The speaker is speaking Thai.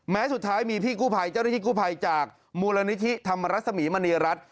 สุดท้ายมีพี่กู้ภัยเจ้าหน้าที่กู้ภัยจากมูลนิธิธรรมรสมีมณีรัฐ